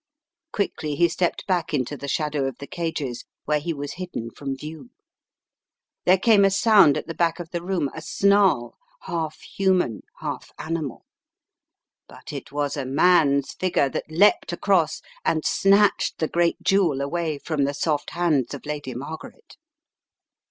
Quickly he stepped back into the shadow of the cages where* he was hidden from view. There came a sound at the back of the room, a snarl, half human, half animal. But it was a man's figure that leaped across and snatched the great jewel away from the soft hands of Lady Margaret.